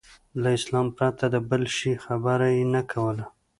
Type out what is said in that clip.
له اسلام پرته د بل شي خبره یې نه کوله.